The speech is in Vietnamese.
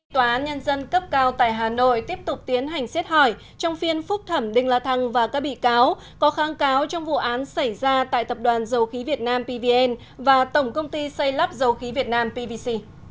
tòa án nhân dân cấp cao tại hà nội tiếp tục tiến hành xét hỏi trong phiên phúc thẩm đinh la thăng và các bị cáo có kháng cáo trong vụ án xảy ra tại tập đoàn dầu khí việt nam pvn và tổng công ty xây lắp dầu khí việt nam pvc